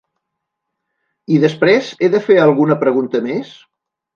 I després, he de fer alguna pregunta més?